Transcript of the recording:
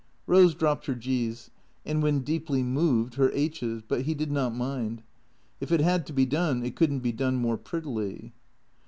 Eose dropped her g's and, when deeply moved, her aitches; but he did not mind. If it had to be done, it could n't be done more prettily.